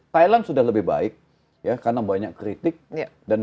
thailand sudah lebih baik ya karena banyak kritik dan banyak organisasi internasional